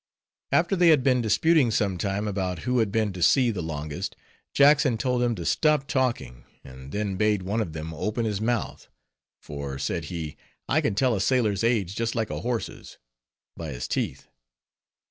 After they had been disputing some time about who had been to sea the longest, Jackson told them to stop talking; and then bade one of them open his mouth; for, said he, I can tell a sailor's age just like a horse's—by his teeth.